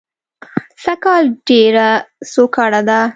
سږ کال ډېره سوکړه ده